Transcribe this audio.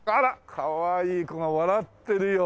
かわいい子が笑ってるよ。